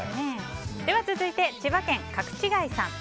続いて、千葉県の方。